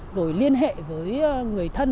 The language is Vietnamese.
rồi liên hệ với người thân